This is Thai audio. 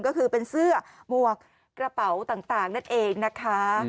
ก็คือเป็นเสื้อหมวกกระเป๋าต่างนั่นเองนะคะ